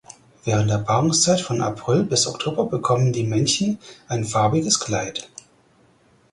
Während der Paarungszeit von April bis Oktober bekommen die Männchen ein farbiges Kleid.